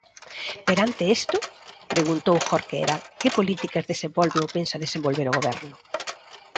Perante isto, preguntou Jorquera, que políticas desenvolve ou pensa desenvolver o goberno.